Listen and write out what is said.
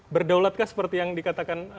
berdaulatkah seperti yang dikatakan